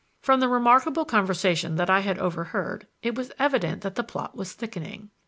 From the remarkable conversation that I had overheard it was evident that the plot was thickening.